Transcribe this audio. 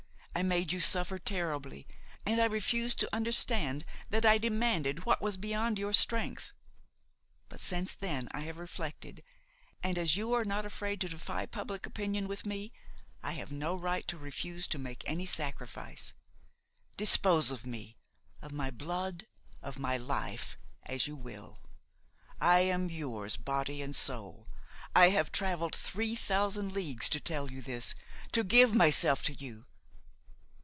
I made you suffer terribly, and I refused to understand that I demanded what was beyond your strength. But since then I have reflected, and as you are not afraid to defy public opinion with me, I have no right to refuse to make any sacrifice. Dispose of me, of my blood, of my life, as you will; I am yours body and soul. I have travelled three thousand leagues to tell you this, to give myself to you.